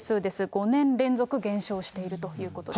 ５年連続減少しているということです。